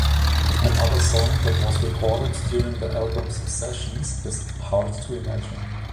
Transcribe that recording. Another song that was recorded during the album's sessions is "Hard to Imagine".